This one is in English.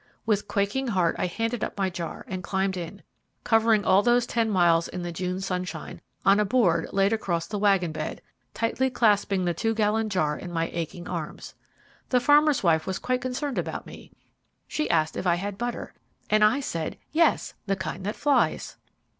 With quaking heart I handed up my jar, and climbed in, covering all those ten miles in the June sunshine, on a board laid across e wagon bed, tightly clasping the two gallon jar in my aching arms. The farmer's wife was quite concerned about me. She asked if I had butter, and I said, "Yes, the kind that flies."